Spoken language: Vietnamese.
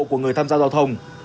của người tham gia giao thông